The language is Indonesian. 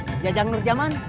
kang jajang nurjaman